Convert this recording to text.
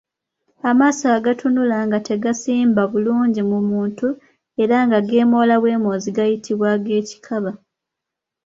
Amaaso agatunula nga tegasimba bulungi ku muntu era nga geemoola bwemoozi gayitibwa ag’ekikaba.